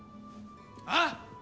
ああ？